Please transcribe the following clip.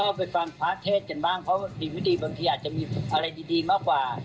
ก็ไปฟังพระเทศกันบ้างเพราะว่าดีไม่ดีบางทีอาจจะมีอะไรดีมากกว่า